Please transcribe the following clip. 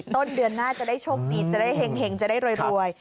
ต้นเดือนหน้าจะได้โชคดีจะได้เห็งจะได้รวย